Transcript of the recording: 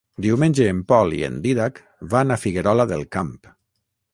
Diumenge en Pol i en Dídac van a Figuerola del Camp.